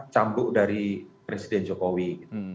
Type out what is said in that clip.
campur dari presiden jokowi gitu